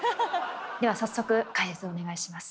では早速解説お願いします。